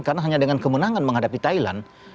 karena hanya dengan kemenangan menghadapi thailand